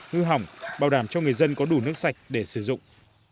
hư hỏng bảo đảm cho người dân có đủ nước sạch để sử dụng